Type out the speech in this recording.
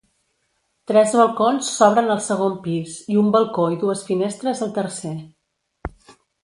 Tres balcons s'obren al segon pis i un balcó i dues finestres al tercer.